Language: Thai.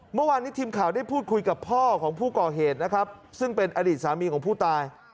เมื่อวานนี้ทีมข่าวได้พูดคุยกับพ่อของผู้ก่อเหตุนะครับซึ่งเป็นอดีตสามีของผู้ตาย